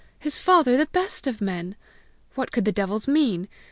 his father, the best of men! What could the devils mean?